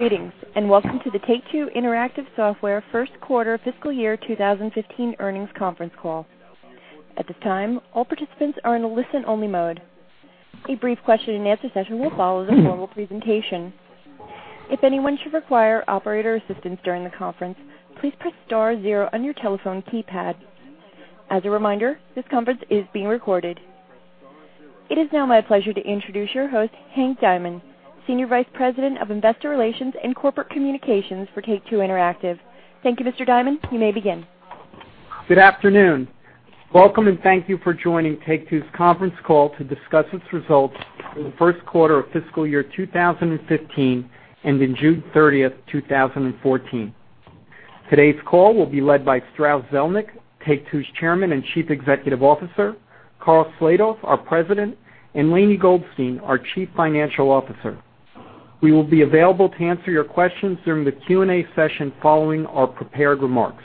Greetings, welcome to the Take-Two Interactive Software first quarter fiscal year 2015 earnings conference call. At this time, all participants are in listen-only mode. A brief question and answer session will follow the formal presentation. If anyone should require operator assistance during the conference, please press star zero on your telephone keypad. As a reminder, this conference is being recorded. It is now my pleasure to introduce your host, Hank Diamond, Senior Vice President of Investor Relations and Corporate Communications for Take-Two Interactive. Thank you, Mr. Diamond. You may begin. Good afternoon. Welcome, thank you for joining Take-Two's conference call to discuss its results for the first quarter of fiscal year 2015 and in June 30th, 2014. Today's call will be led by Strauss Zelnick, Take-Two's Chairman and Chief Executive Officer, Karl Slatoff, our President, and Lainie Goldstein, our Chief Financial Officer. We will be available to answer your questions during the Q&A session following our prepared remarks.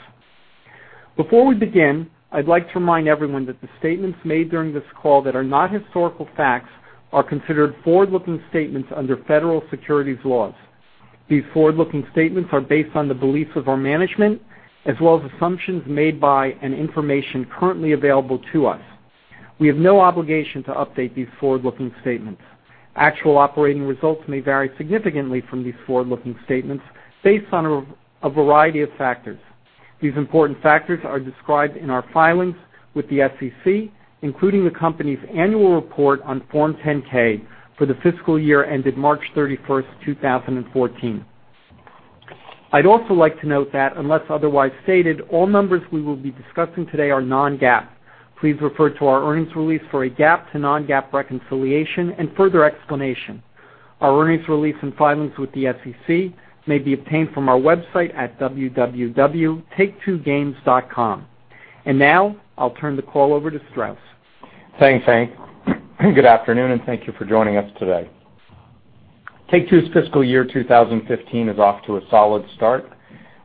Before we begin, I'd like to remind everyone that the statements made during this call that are not historical facts are considered forward-looking statements under federal securities laws. These forward-looking statements are based on the beliefs of our management as well as assumptions made by and information currently available to us. We have no obligation to update these forward-looking statements. Actual operating results may vary significantly from these forward-looking statements based on a variety of factors. These important factors are described in our filings with the SEC, including the company's annual report on Form 10-K for the fiscal year ended March 31st, 2014. I'd also like to note that unless otherwise stated, all numbers we will be discussing today are non-GAAP. Please refer to our earnings release for a GAAP to non-GAAP reconciliation and further explanation. Our earnings release and filings with the SEC may be obtained from our website at www.taketwogames.com. Now I'll turn the call over to Strauss. Thanks, Hank. Good afternoon, thank you for joining us today. Take-Two's fiscal year 2015 is off to a solid start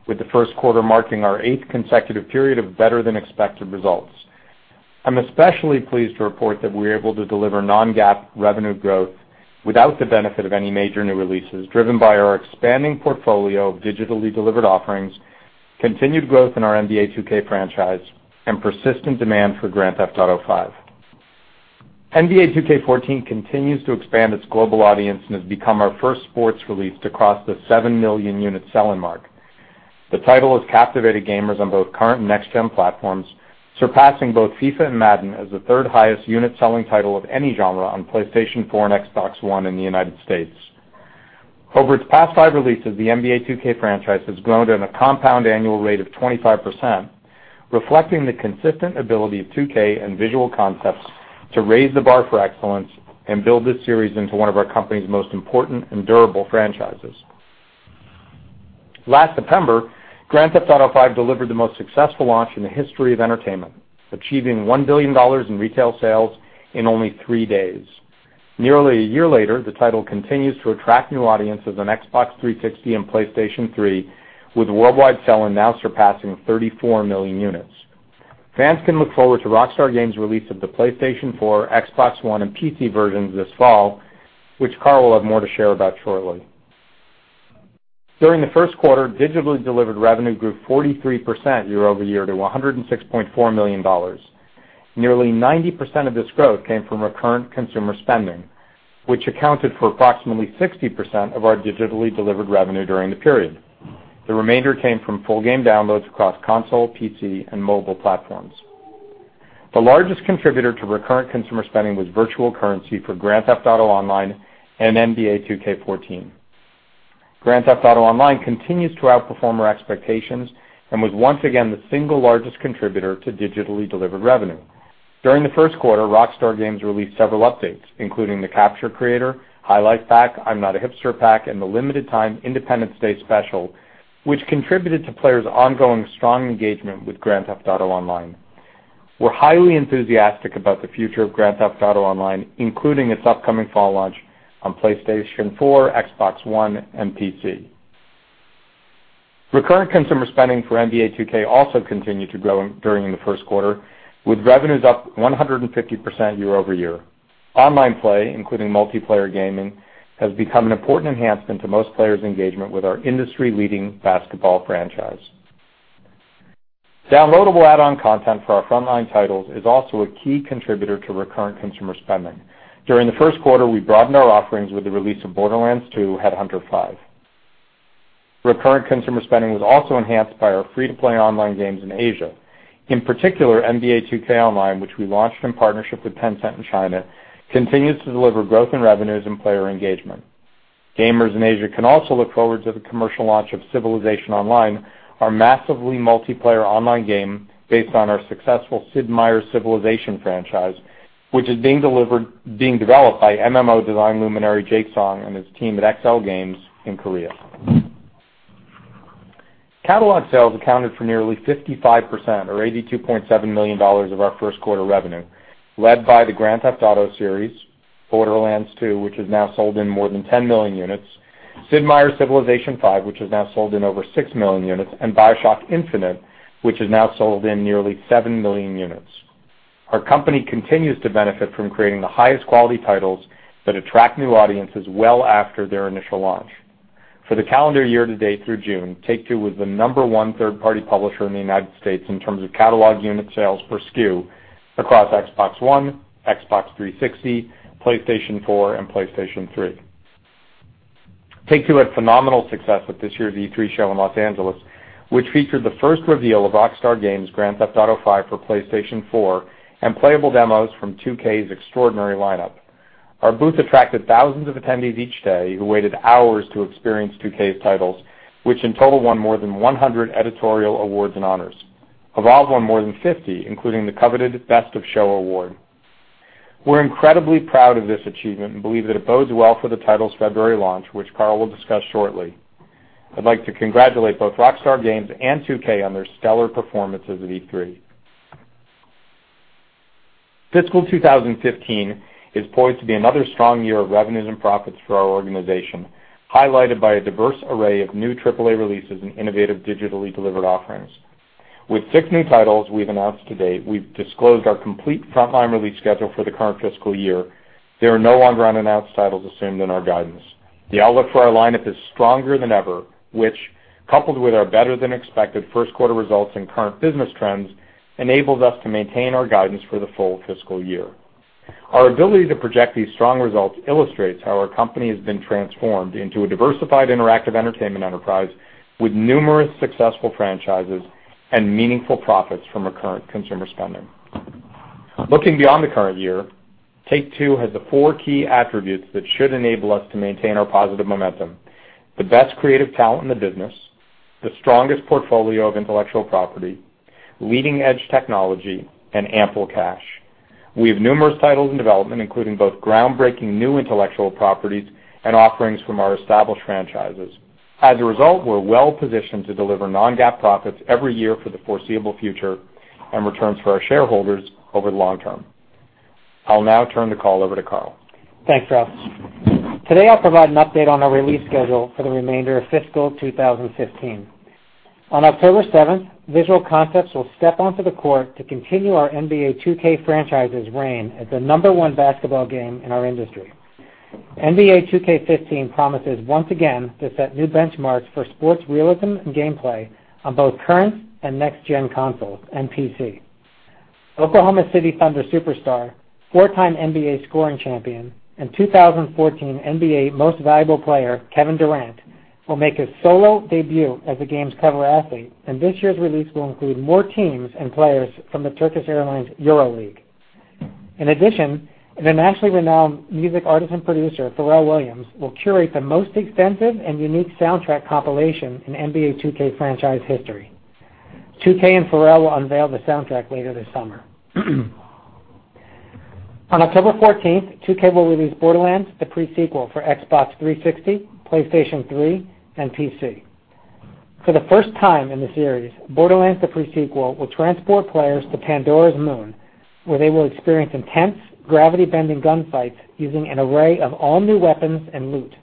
with the first quarter marking our eighth consecutive period of better than expected results. I'm especially pleased to report that we're able to deliver non-GAAP revenue growth without the benefit of any major new releases driven by our expanding portfolio of digitally delivered offerings, continued growth in our NBA 2K franchise, and persistent demand for Grand Theft Auto V. NBA 2K14 continues to expand its global audience and has become our first sports release to cross the seven million unit selling mark. The title has captivated gamers on both current and next gen platforms, surpassing both FIFA and Madden as the third highest unit selling title of any genre on PlayStation 4 and Xbox One in the U.S. Over its past five releases, the NBA 2K franchise has grown at a compound annual rate of 25%, reflecting the consistent ability of 2K and Visual Concepts to raise the bar for excellence and build this series into one of our company's most important and durable franchises. Last September, Grand Theft Auto V delivered the most successful launch in the history of entertainment, achieving $1 billion in retail sales in only three days. Nearly a year later, the title continues to attract new audiences on Xbox 360 and PlayStation 3, with worldwide selling now surpassing 34 million units. Fans can look forward to Rockstar Games' release of the PlayStation 4, Xbox One, and PC versions this fall, which Karl will have more to share about shortly. During the first quarter, digitally delivered revenue grew 43% year over year to $106.4 million. Nearly 90% of this growth came from recurrent consumer spending, which accounted for approximately 60% of our digitally delivered revenue during the period. The remainder came from full game downloads across console, PC, and mobile platforms. The largest contributor to recurrent consumer spending was virtual currency for Grand Theft Auto Online and NBA 2K14. Grand Theft Auto Online continues to outperform our expectations and was once again the single largest contributor to digitally delivered revenue. During the first quarter, Rockstar Games released several updates, including the Capture Creator, High Life Pack, I'm Not a Hipster Update, and the limited time Independence Day Special, which contributed to players' ongoing strong engagement with Grand Theft Auto Online. We're highly enthusiastic about the future of Grand Theft Auto Online, including its upcoming fall launch on PlayStation 4, Xbox One, and PC. Recurrent consumer spending for NBA 2K also continued to grow during the first quarter with revenues up 150% year over year. Online play, including multiplayer gaming, has become an important enhancement to most players' engagement with our industry-leading basketball franchise. Downloadable add-on content for our frontline titles is also a key contributor to recurrent consumer spending. During the first quarter, we broadened our offerings with the release of Borderlands 2: Headhunter 5. Recurrent consumer spending was also enhanced by our free-to-play online games in Asia. In particular, NBA 2K Online, which we launched in partnership with Tencent in China, continues to deliver growth in revenues and player engagement. Gamers in Asia can also look forward to the commercial launch of Civilization Online, our massively multiplayer online game based on our successful Sid Meier's Civilization franchise, which is being developed by MMO design luminary Jake Song and his team at XLGAMES in Korea. Catalog sales accounted for nearly 55%, or $82.7 million of our first quarter revenue, led by the Grand Theft Auto series, Borderlands 2, which has now sold in more than 10 million units, Sid Meier's Civilization V, which has now sold in over six million units, and BioShock Infinite, which has now sold in nearly seven million units. Our company continues to benefit from creating the highest quality titles that attract new audiences well after their initial launch. For the calendar year to date through June, Take-Two was the number one third-party publisher in the U.S. in terms of catalog unit sales per SKU across Xbox One, Xbox 360, PlayStation 4, and PlayStation 3. Take-Two had phenomenal success at this year's E3 show in L.A., which featured the first reveal of Rockstar Games' Grand Theft Auto V for PlayStation 4 and playable demos from 2K's extraordinary lineup. Our booth attracted thousands of attendees each day who waited hours to experience 2K's titles, which in total won more than 100 editorial awards and honors. Evolve won more than 50, including the coveted Best of Show award. We're incredibly proud of this achievement and believe that it bodes well for the title's February launch, which Karl will discuss shortly. I'd like to congratulate both Rockstar Games and 2K on their stellar performances at E3. Fiscal 2015 is poised to be another strong year of revenues and profits for our organization, highlighted by a diverse array of new AAA releases and innovative digitally delivered offerings. With six new titles we've announced to date, we've disclosed our complete frontline release schedule for the current fiscal year. There are no longer unannounced titles assumed in our guidance. The outlook for our lineup is stronger than ever, which, coupled with our better-than-expected first quarter results and current business trends, enables us to maintain our guidance for the full fiscal year. Our ability to project these strong results illustrates how our company has been transformed into a diversified interactive entertainment enterprise with numerous successful franchises and meaningful profits from recurrent consumer spending. Looking beyond the current year, Take-Two has the four key attributes that should enable us to maintain our positive momentum: the best creative talent in the business, the strongest portfolio of intellectual property, leading-edge technology, and ample cash. We have numerous titles in development, including both groundbreaking new intellectual properties and offerings from our established franchises. As a result, we're well-positioned to deliver non-GAAP profits every year for the foreseeable future and returns for our shareholders over the long term. I'll now turn the call over to Karl. Thanks, Strauss. Today, I'll provide an update on our release schedule for the remainder of fiscal 2015. On October seventh, Visual Concepts will step onto the court to continue our NBA 2K franchise's reign as the number one basketball game in our industry. NBA 2K15 promises once again to set new benchmarks for sports realism and gameplay on both current and next-gen consoles and PC. Oklahoma City Thunder superstar, four-time NBA scoring champion, and 2014 NBA Most Valuable Player Kevin Durant will make his solo debut as the game's cover athlete, and this year's release will include more teams and players from the Turkish Airlines EuroLeague. In addition, the nationally renowned music artist and producer Pharrell Williams will curate the most extensive and unique soundtrack compilation in NBA 2K franchise history. 2K and Pharrell will unveil the soundtrack later this summer. On October 14th, 2K will release "Borderlands: The Pre-Sequel" for Xbox 360, PlayStation 3, and PC. For the first time in the series, "Borderlands: The Pre-Sequel" will transport players to Pandora's moon, where they will experience intense gravity-bending gunfights using an array of all-new weapons and loot.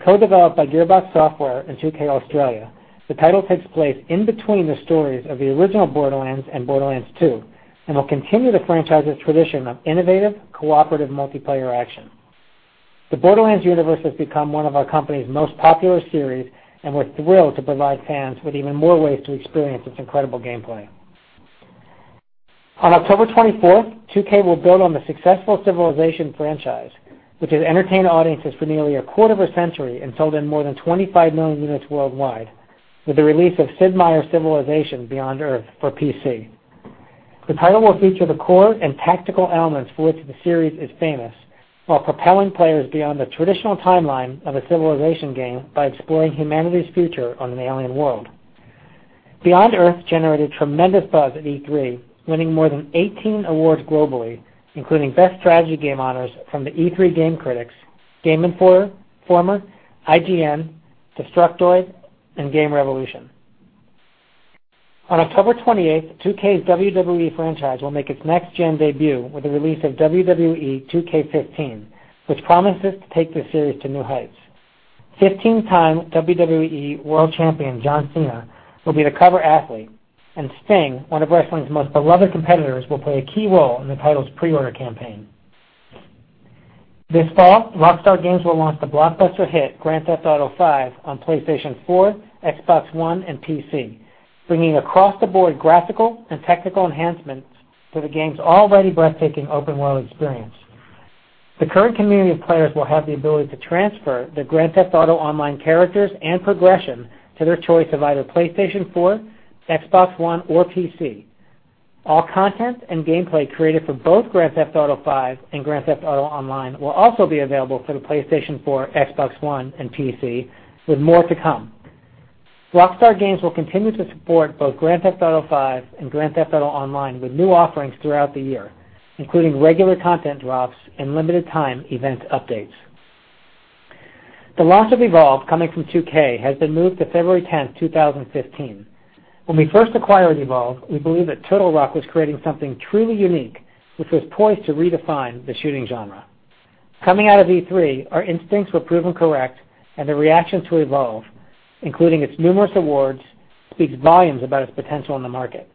Co-developed by Gearbox Software and 2K Australia, the title takes place in between the stories of the original "Borderlands" and "Borderlands 2" and will continue the franchise's tradition of innovative, cooperative multiplayer action. The Borderlands universe has become one of our company's most popular series, and we're thrilled to provide fans with even more ways to experience its incredible gameplay. On October 24th, 2K will build on the successful Civilization franchise, which has entertained audiences for nearly a quarter of a century and sold in more than 25 million units worldwide, with the release of "Sid Meier's Civilization: Beyond Earth" for PC. The title will feature the core and tactical elements for which the series is famous, while propelling players beyond the traditional timeline of a Civilization game by exploring humanity's future on an alien world. Beyond Earth generated tremendous buzz at E3, winning more than 18 awards globally, including Best Strategy Game honors from the E3 Game Critics, Game Informer, IGN, Destructoid, and GameRevolution. On October 28th, 2K's WWE franchise will make its next-gen debut with the release of "WWE 2K15," which promises to take the series to new heights. 15-time WWE World Champion John Cena will be the cover athlete, and Sting, one of wrestling's most beloved competitors, will play a key role in the title's pre-order campaign. This fall, Rockstar Games will launch the blockbuster hit "Grand Theft Auto V" on PlayStation 4, Xbox One, and PC, bringing across-the-board graphical and technical enhancements to the game's already breathtaking open-world experience. The current community of players will have the ability to transfer their Grand Theft Auto Online characters and progression to their choice of either PlayStation 4, Xbox One, or PC. All content and gameplay created for both Grand Theft Auto V and Grand Theft Auto Online will also be available for the PlayStation 4, Xbox One, and PC, with more to come. Rockstar Games will continue to support both Grand Theft Auto V and Grand Theft Auto Online with new offerings throughout the year, including regular content drops and limited-time event updates. The launch of Evolve, coming from 2K, has been moved to February 10th, 2015. When we first acquired Evolve, we believed that Turtle Rock was creating something truly unique, which was poised to redefine the shooting genre. Coming out of E3, our instincts were proven correct, and the reaction to Evolve, including its numerous awards, speaks volumes about its potential in the market.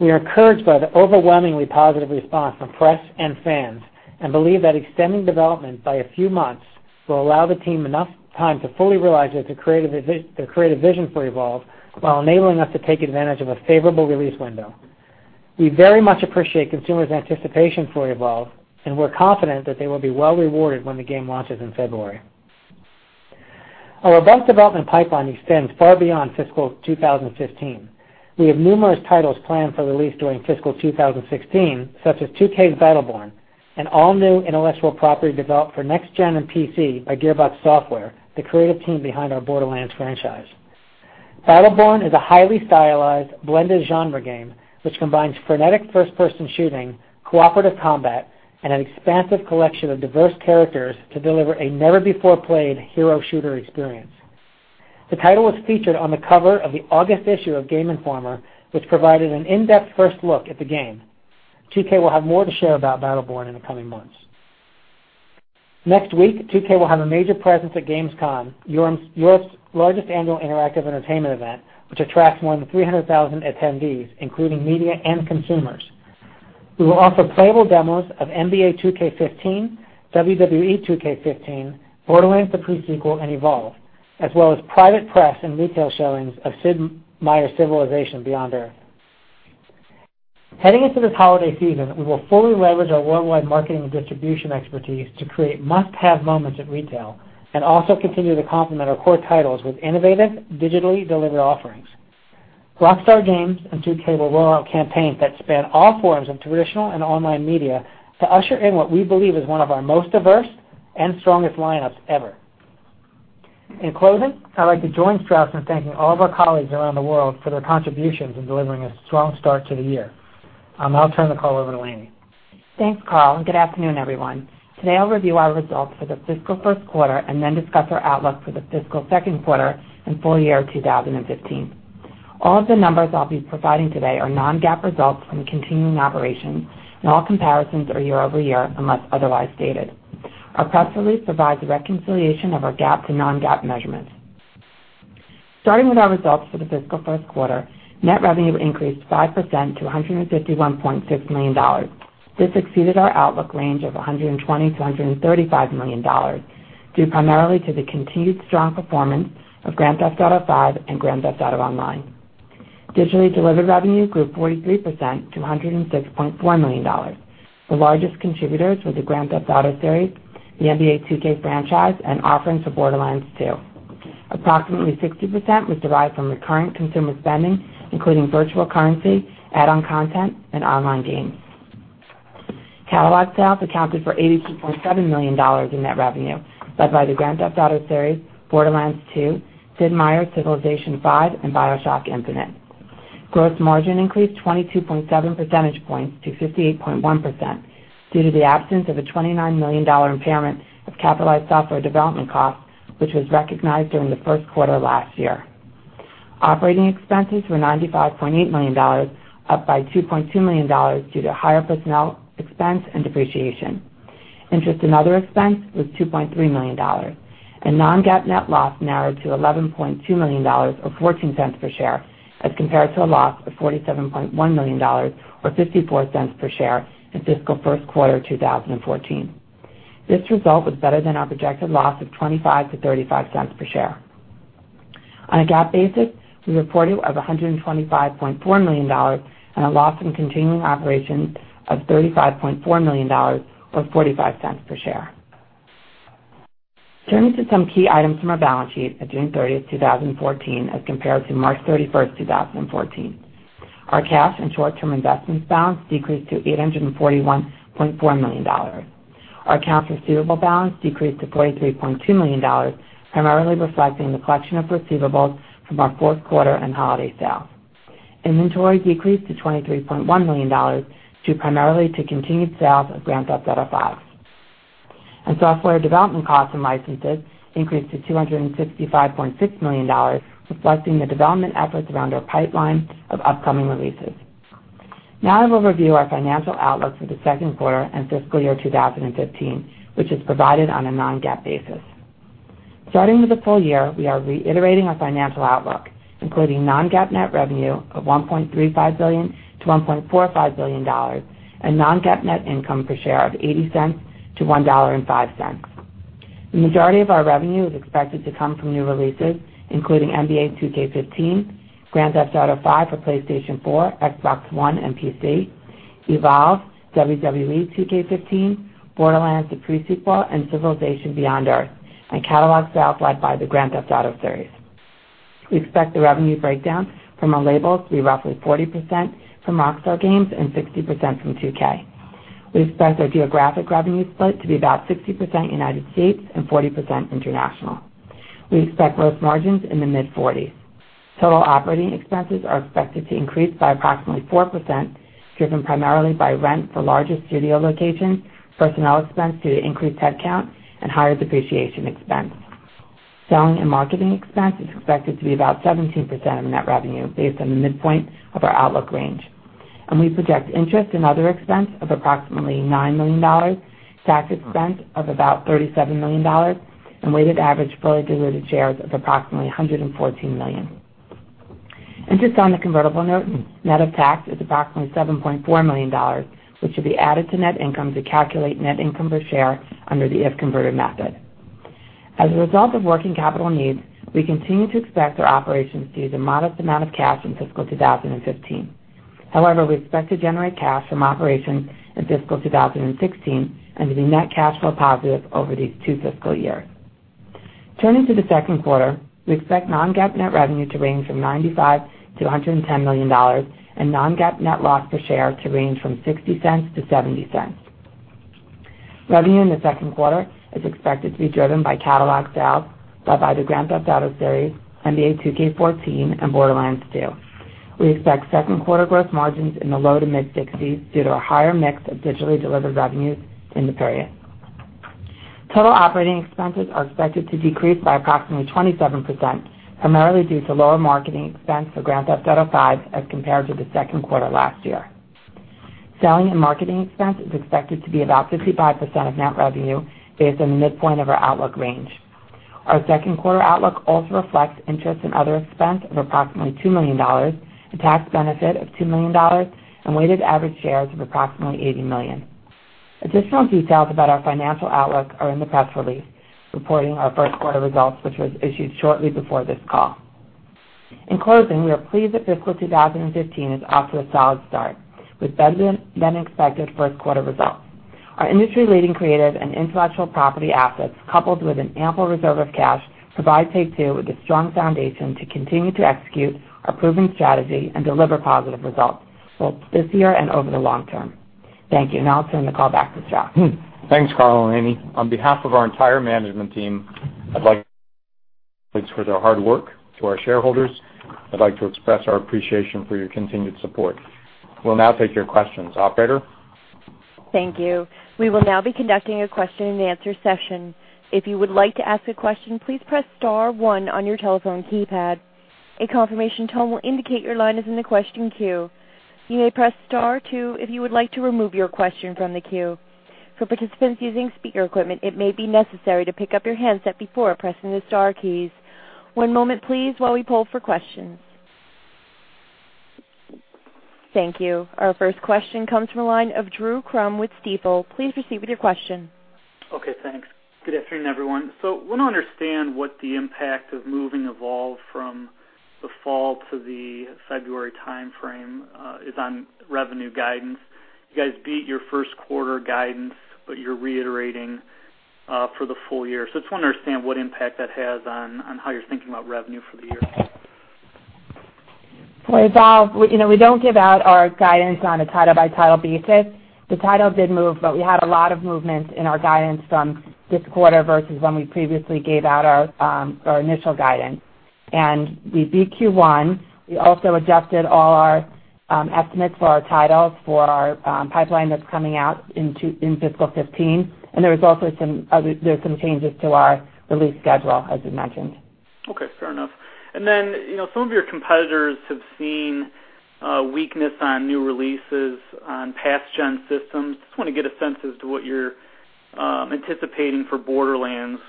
We are encouraged by the overwhelmingly positive response from press and fans, and believe that extending development by a few months will allow the team enough time to fully realize their creative vision for Evolve while enabling us to take advantage of a favorable release window. We very much appreciate consumers' anticipation for Evolve, and we're confident that they will be well rewarded when the game launches in February. Our advanced development pipeline extends far beyond fiscal 2015. We have numerous titles planned for release during fiscal 2016, such as 2K's Battleborn, an all-new intellectual property developed for next-gen and PC by Gearbox Software, the creative team behind our Borderlands franchise. Battleborn is a highly stylized blended genre game, which combines frenetic first-person shooting, cooperative combat, and an expansive collection of diverse characters to deliver a never-before-played hero shooter experience. The title was featured on the cover of the August issue of Game Informer, which provided an in-depth first look at the game. 2K will have more to share about Battleborn in the coming months. Next week, 2K will have a major presence at Gamescom, Europe's largest annual interactive entertainment event, which attracts more than 300,000 attendees, including media and consumers. We will offer playable demos of NBA 2K15, WWE 2K15, Borderlands: The Pre-Sequel, and Evolve, as well as private press and retail showings of Sid Meier's Civilization: Beyond Earth. Heading into this holiday season, we will fully leverage our worldwide marketing and distribution expertise to create must-have moments at retail and also continue to complement our core titles with innovative digitally delivered offerings. Rockstar Games and 2K will roll out campaigns that span all forms of traditional and online media to usher in what we believe is one of our most diverse and strongest lineups ever. In closing, I'd like to join Strauss in thanking all of our colleagues around the world for their contributions in delivering a strong start to the year. I'll now turn the call over to Lainie. Thanks, Karl, and good afternoon, everyone. Today, I'll review our results for the fiscal first quarter and then discuss our outlook for the fiscal second quarter and full year 2015. All of the numbers I'll be providing today are non-GAAP results from continuing operations, and all comparisons are year-over-year, unless otherwise stated. Our press release provides a reconciliation of our GAAP to non-GAAP measurements. Starting with our results for the fiscal first quarter, net revenue increased 5% to $151.6 million. This exceeded our outlook range of $120 million-$135 million, due primarily to the continued strong performance of Grand Theft Auto V and Grand Theft Auto Online. Digitally delivered revenue grew 43% to $106.4 million. The largest contributors were the Grand Theft Auto series, the NBA 2K franchise, and offerings for Borderlands 2. Approximately 60% was derived from recurrent consumer spending, including virtual currency, add-on content, and online games. Catalog sales accounted for $82.7 million in net revenue, led by the Grand Theft Auto series, Borderlands 2, Sid Meier's Civilization V, and BioShock Infinite. Gross margin increased 22.7 percentage points to 58.1% due to the absence of a $29 million impairment of capitalized software development costs, which was recognized during the first quarter last year. Operating expenses were $95.8 million, up by $2.2 million due to higher personnel expense and depreciation. Interest and other expense was $2.3 million, and non-GAAP net loss narrowed to $11.2 million or $0.14 per share as compared to a loss of $47.1 million or $0.54 per share in fiscal first quarter 2014. This result was better than our projected loss of $0.25-$0.35 per share. On a GAAP basis, we reported $125.4 million and a loss from continuing operations of $35.4 million or $0.45 per share. Turning to some key items from our balance sheet at June 30, 2014, as compared to March 31, 2014. Our cash and short-term investments balance decreased to $841.4 million. Our accounts receivable balance decreased to $43.2 million, primarily reflecting the collection of receivables from our fourth quarter and holiday sales. Inventory decreased to $23.1 million due primarily to continued sales of Grand Theft Auto V. Software development costs and licenses increased to $265.6 million, reflecting the development efforts around our pipeline of upcoming releases. Now I will review our financial outlook for the second quarter and fiscal year 2015, which is provided on a non-GAAP basis. Starting with the full year, we are reiterating our financial outlook, including non-GAAP net revenue of $1.35 billion-$1.45 billion and non-GAAP net income per share of $0.80-$1.05. The majority of our revenue is expected to come from new releases, including NBA 2K15, Grand Theft Auto V for PlayStation 4, Xbox One, and PC, Evolve, WWE 2K15, Borderlands: The Pre-Sequel, and Civilization: Beyond Earth, and catalog sales led by the Grand Theft Auto series. We expect the revenue breakdown from our labels to be roughly 40% from Rockstar Games and 60% from 2K. We expect our geographic revenue split to be about 60% U.S. and 40% international. We expect gross margins in the mid-40s. Total operating expenses are expected to increase by approximately 4%, driven primarily by rent for larger studio locations, personnel expense due to increased headcount, and higher depreciation expense. Selling and marketing expense is expected to be about 17% of net revenue based on the midpoint of our outlook range. We project interest in other expense of approximately $9 million, tax expense of about $37 million, and weighted average fully diluted shares of approximately 114 million. Interest on the convertible note net of tax is approximately $7.4 million, which will be added to net income to calculate net income per share under the if-converted method. As a result of working capital needs, we continue to expect our operations to use a modest amount of cash in fiscal 2015. However, we expect to generate cash from operations in fiscal 2016 and to be net cash flow positive over these two fiscal years. Turning to the second quarter, we expect non-GAAP net revenue to range from $95 million-$110 million and non-GAAP net loss per share to range from $0.60-$0.70. Revenue in the second quarter is expected to be driven by catalog sales led by the Grand Theft Auto series, NBA 2K14 and Borderlands 2. We expect second quarter gross margins in the low to mid-60s due to a higher mix of digitally delivered revenues in the period. Total operating expenses are expected to decrease by approximately 27%, primarily due to lower marketing expense for Grand Theft Auto V as compared to the second quarter last year. Selling and marketing expense is expected to be about 55% of net revenue based on the midpoint of our outlook range. Our second quarter outlook also reflects interest in other expense of approximately $2 million, a tax benefit of $2 million, and weighted average shares of approximately 80 million. Additional details about our financial outlook are in the press release, reporting our first quarter results, which was issued shortly before this call. In closing, we are pleased that fiscal 2015 is off to a solid start with better-than-expected first quarter results. Our industry-leading creative and intellectual property assets, coupled with an ample reserve of cash, provide Take-Two with a strong foundation to continue to execute our proven strategy and deliver positive results both this year and over the long term. Thank you. I'll turn the call back to Strauss Zelnick. Thanks, Karl and Lainie. On behalf of our entire management team, I'd like thanks for their hard work. To our shareholders, I'd like to express our appreciation for your continued support. We'll now take your questions. Operator? Thank you. We will now be conducting a question and answer session. If you would like to ask a question, please press *1 on your telephone keypad. A confirmation tone will indicate your line is in the question queue. You may press *2 if you would like to remove your question from the queue. For participants using speaker equipment, it may be necessary to pick up your handset before pressing the star keys. One moment, please, while we poll for questions. Thank you. Our first question comes from the line of Drew Crum with Stifel. Please proceed with your question. Thanks. Good afternoon, everyone. Want to understand what the impact of moving Evolve from the fall to the February timeframe is on revenue guidance. You guys beat your first quarter guidance, you're reiterating for the full year. Just want to understand what impact that has on how you're thinking about revenue for the year. For Evolve, we don't give out our guidance on a title-by-title basis. The title did move, but we had a lot of movement in our guidance from this quarter versus when we previously gave out our initial guidance. We beat Q1. We also adjusted all our estimates for our titles for our pipeline that's coming out in fiscal 2015. There's also some changes to our release schedule, as you mentioned. Okay, fair enough. Some of your competitors have seen a weakness on new releases on past gen systems. Just want to get a sense as to what you're anticipating for Borderlands,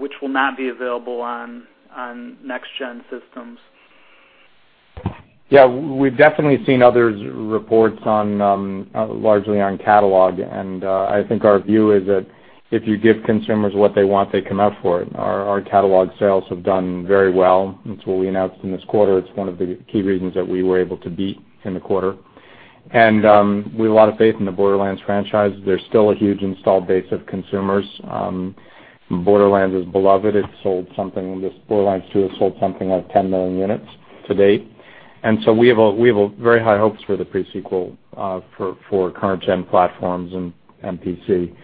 which will not be available on next gen systems. Yeah. We've definitely seen others' reports largely on catalog, and I think our view is that if you give consumers what they want, they come out for it. Our catalog sales have done very well. It's what we announced in this quarter. It's one of the key reasons that we were able to beat in the quarter. We have a lot of faith in the Borderlands franchise. There's still a huge installed base of consumers. Borderlands is beloved. Borderlands 2 has sold something like 10 million units to date, so we have very high hopes for the Pre-Sequel for current gen platforms and PC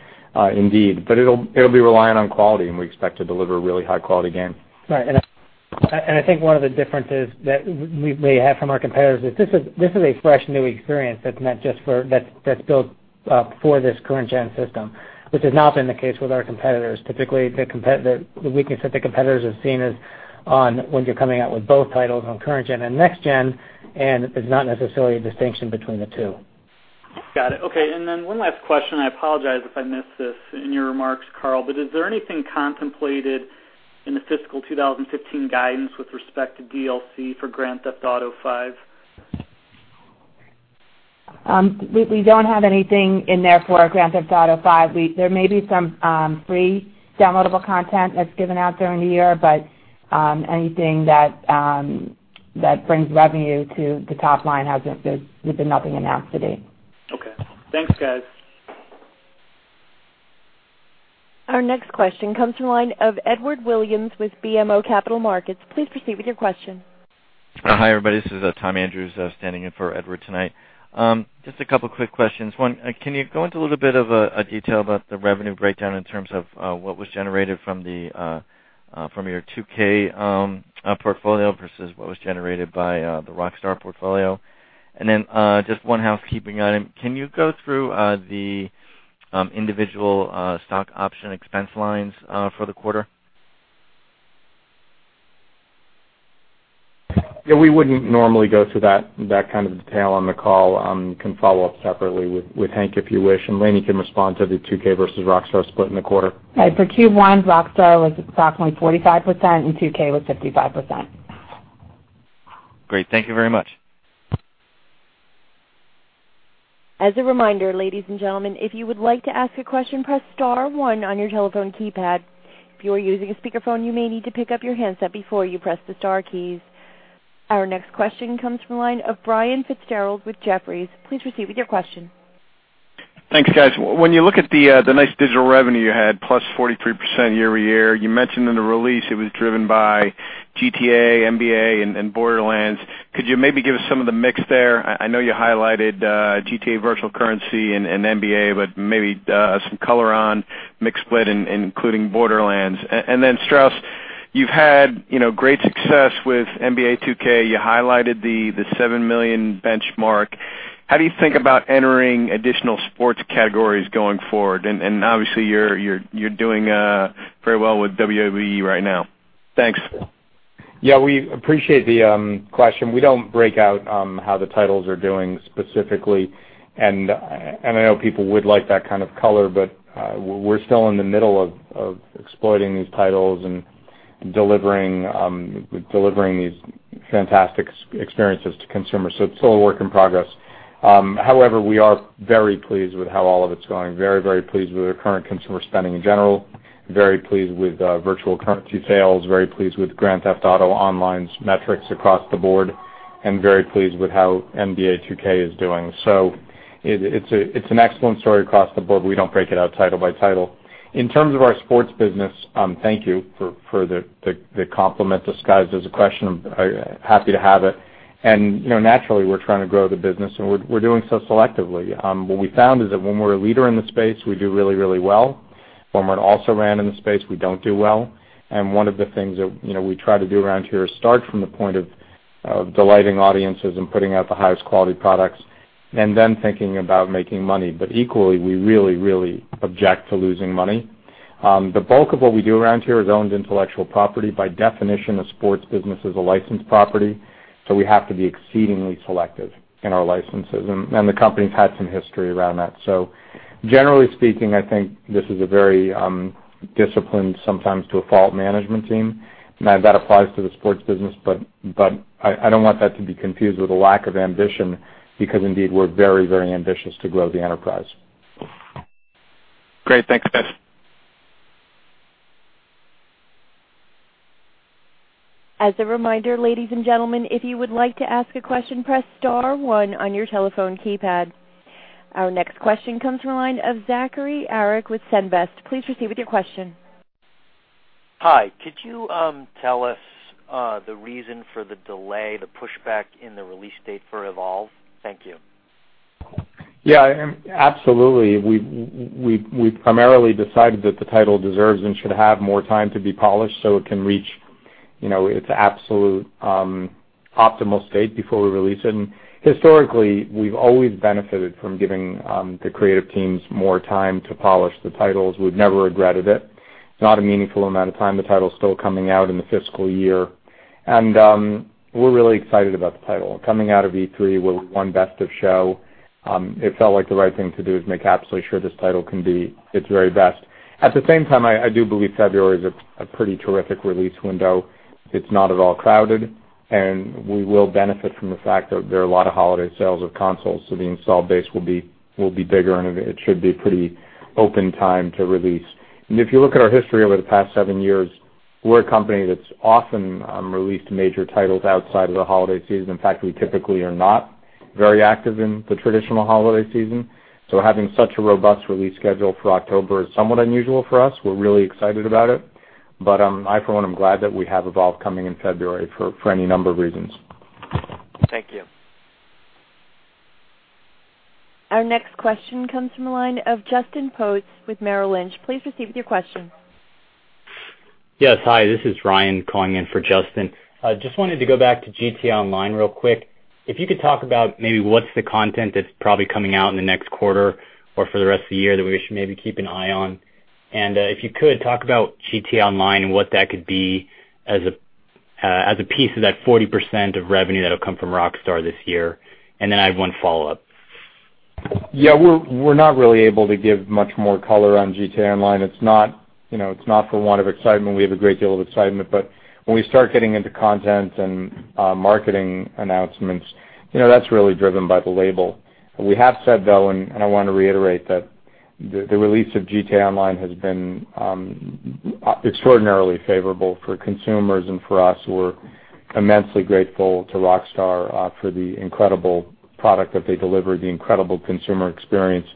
indeed. It'll be reliant on quality, and we expect to deliver a really high-quality game. Right. I think one of the differences that we may have from our competitors is this is a fresh, new experience that's built for this current gen system, which has not been the case with our competitors. Typically, the weakness that the competitors have seen is on when you're coming out with both titles on current gen and next gen, and there's not necessarily a distinction between the two. Got it. Okay. One last question. I apologize if I missed this in your remarks, Karl, but is there anything contemplated in the fiscal 2015 guidance with respect to DLC for Grand Theft Auto V? We don't have anything in there for Grand Theft Auto V. There may be some free downloadable content that's given out during the year, but anything that brings revenue to the top line, there's been nothing announced to date. Okay. Thanks, guys. Our next question comes from the line of Edward Williams with BMO Capital Markets. Please proceed with your question. Hi, everybody. This is Thomas Andrews standing in for Edward tonight. Just a couple quick questions. One, can you go into a little bit of detail about the revenue breakdown in terms of what was generated from your 2K portfolio versus what was generated by the Rockstar portfolio? Then just one housekeeping item. Can you go through the individual stock option expense lines for the quarter? Yeah, we wouldn't normally go through that kind of detail on the call. You can follow up separately with Hank if you wish, and Lainie can respond to the 2K versus Rockstar split in the quarter. Right. For Q1, Rockstar was approximately 45%, and 2K was 55%. Great. Thank you very much. As a reminder, ladies and gentlemen, if you would like to ask a question, press star one on your telephone keypad. If you are using a speakerphone, you may need to pick up your handset before you press the star keys. Our next question comes from the line of Brian Fitzgerald with Jefferies. Please proceed with your question. Thanks, guys. When you look at the nice digital revenue you had, plus 43% year-over-year, you mentioned in the release it was driven by GTA, NBA, and Borderlands. Could you maybe give us some of the mix there? I know you highlighted GTA virtual currency and NBA, but maybe some color on mix split, including Borderlands. Strauss, you've had great success with NBA 2K. You highlighted the 7 million benchmark. How do you think about entering additional sports categories going forward? Obviously, you're doing very well with WWE right now. Thanks. Yeah, we appreciate the question. We don't break out how the titles are doing specifically, and I know people would like that kind of color, but we're still in the middle of exploiting these titles and delivering these fantastic experiences to consumers, so it's still a work in progress. However, we are very pleased with how all of it's going. Very pleased with our current consumer spending in general, very pleased with virtual currency sales, very pleased with Grand Theft Auto Online's metrics across the board, and very pleased with how NBA 2K is doing. It's an excellent story across the board, but we don't break it out title by title. In terms of our sports business, thank you for the compliment disguised as a question. Happy to have it. Naturally, we're trying to grow the business, and we're doing so selectively. What we found is that when we're a leader in the space, we do really well. When we're an also-ran in the space, we don't do well. One of the things that we try to do around here is start from the point of delighting audiences and putting out the highest quality products and then thinking about making money. Equally, we really object to losing money. The bulk of what we do around here is owned intellectual property. By definition, a sports business is a licensed property, so we have to be exceedingly selective in our licenses, and the company's had some history around that. Generally speaking, I think this is a very disciplined, sometimes to a fault, management team, and that applies to the sports business. I don't want that to be confused with a lack of ambition, because indeed, we're very ambitious to grow the enterprise. Great. Thanks, guys. As a reminder, ladies and gentlemen, if you would like to ask a question, press star one on your telephone keypad. Our next question comes from the line of Zachary Arrick with SunTrust. Please proceed with your question. Hi. Could you tell us the reason for the delay, the pushback in the release date for Evolve? Thank you. Absolutely. We've primarily decided that the title deserves and should have more time to be polished so it can reach its absolute optimal state before we release it. Historically, we've always benefited from giving the creative teams more time to polish the titles. We've never regretted it. It's not a meaningful amount of time. The title's still coming out in the fiscal year. We're really excited about the title. Coming out of E3 where we won best of show, it felt like the right thing to do is make absolutely sure this title can be its very best. At the same time, I do believe February is a pretty terrific release window. It's not at all crowded, and we will benefit from the fact that there are a lot of holiday sales of consoles, so the install base will be bigger, and it should be pretty open time to release. If you look at our history over the past seven years, we're a company that's often released major titles outside of the holiday season. In fact, we typically are not very active in the traditional holiday season, so having such a robust release schedule for October is somewhat unusual for us. We're really excited about it. I, for one, am glad that we have Evolve coming in February for any number of reasons. Thank you. Our next question comes from the line of Justin Post with Merrill Lynch. Please proceed with your question. Yes. Hi, this is Ryan calling in for Justin. Just wanted to go back to GTA Online real quick. If you could talk about maybe what's the content that's probably coming out in the next quarter or for the rest of the year that we should maybe keep an eye on. If you could, talk about GTA Online and what that could be as a piece of that 40% of revenue that'll come from Rockstar this year, then I have one follow-up. Yeah, we're not really able to give much more color on GTA Online. It's not for want of excitement. We have a great deal of excitement, but when we start getting into content and marketing announcements, that's really driven by the label. We have said, though, and I want to reiterate that the release of GTA Online has been extraordinarily favorable for consumers and for us. We're immensely grateful to Rockstar for the incredible product that they delivered, the incredible consumer experience,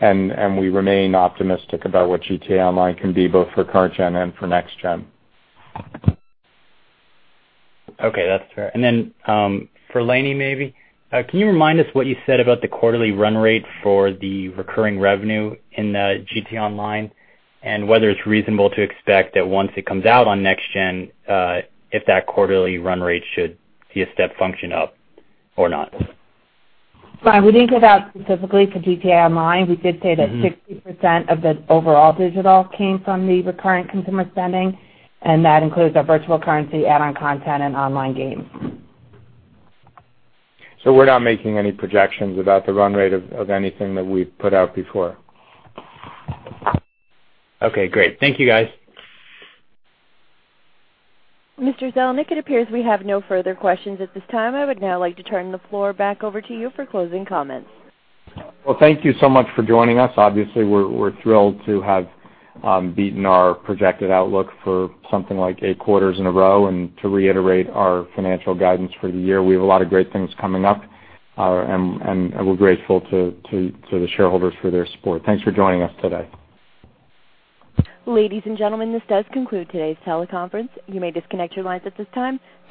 and we remain optimistic about what GTA Online can be, both for current gen and for next gen. Okay, that's fair. Then for Lainie, maybe. Can you remind us what you said about the quarterly run rate for the recurring revenue in GTA Online? Whether it's reasonable to expect that once it comes out on next gen, if that quarterly run rate should see a step function up or not? Ryan, we didn't give out specifically for GTA Online. We did say that 60% of the overall digital came from the recurring consumer spending, and that includes our virtual currency, add-on content, and online games. We're not making any projections about the run rate of anything that we've put out before. Okay, great. Thank you, guys. Mr. Zelnick, it appears we have no further questions at this time. I would now like to turn the floor back over to you for closing comments. Well, thank you so much for joining us. Obviously, we're thrilled to have beaten our projected outlook for something like eight quarters in a row and to reiterate our financial guidance for the year. We have a lot of great things coming up, and we're grateful to the shareholders for their support. Thanks for joining us today. Ladies and gentlemen, this does conclude today's teleconference. You may disconnect your lines at this time.